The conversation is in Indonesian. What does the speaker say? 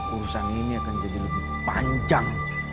urusan ini akan jadi lebih panjang